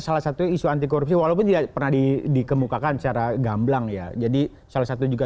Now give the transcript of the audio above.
salah satunya isu anti korupsi walaupun tidak pernah dikemukakan secara gamblang ya jadi salah satu juga